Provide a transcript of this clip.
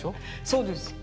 そうです。